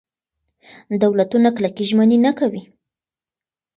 دولتونه کلکې ژمنې نه کوي.